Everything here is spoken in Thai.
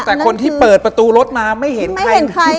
แต่คนที่เปิดประตูรถมาไม่เห็นใคร